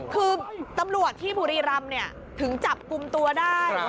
คือตำรวจที่บุรีรำถึงจับกลุ่มตัวได้